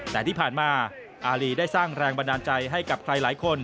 แต่ที่ผ่านมาอารีได้สร้างแรงบันดาลใจให้กับใครหลายคน